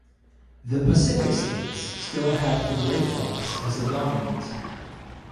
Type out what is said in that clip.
The Pacific States still have the gray fox as a dominant.